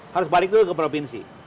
harus balik dulu ke provinsi